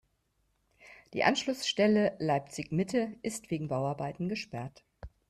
Die Anschlussstelle Leipzig-Mitte ist wegen Bauarbeiten gesperrt.